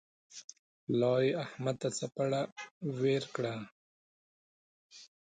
پلار یې احمد ته څپېړه ورکړه.